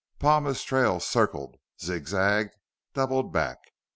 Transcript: Palma's trail circled, zigzagged, doubled back.